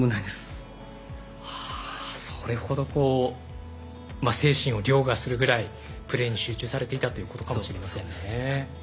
それほど精神をりょうがするぐらいプレーに集中されていたということかもしれませんね。